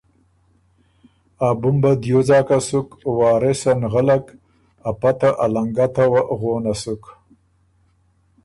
ا بُمبه دیو ځاکه سُک وارثه نغلک ا پته ا لنګته وه غونه سُک۔